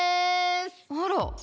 あら。